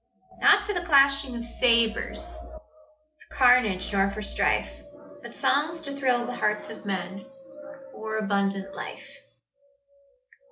Not for the clashing of sabres, For carnage nor for strife; But songs to thrill the hearts of men With more abundant life.